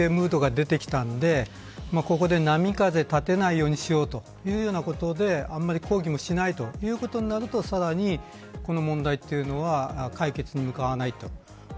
日本政府も雪解けムードが出てきたのでここで波風を立てないようにしようというようなことであまり抗議もしないということになるとさらに、この問題というのは解決に向かわないと。